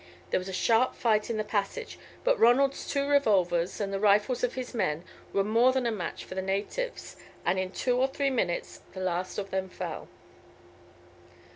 There was a sharp fight in the passage, but Ronald's two revolvers and the rifles of his men were more than a match for the natives, and in two or three minutes the last of them fell.